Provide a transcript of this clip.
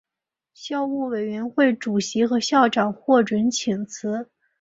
校务委员会主席和校长获准请辞。